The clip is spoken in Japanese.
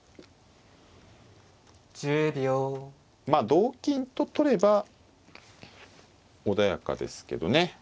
まあ同金と取れば穏やかですけどね。